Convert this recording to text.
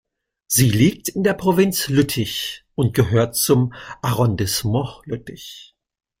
Sie liegt in der Provinz Lüttich und gehört zum Arrondissement Lüttich.